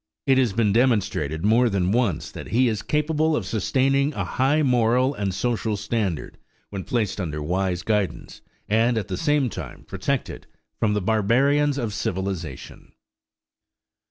It has been demonstrated more than once that he is capable of sustaining a high moral and social standard when placed under wise guidance and at the same time protected from the barbarians of civilization.